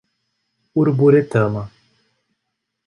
Uruburetama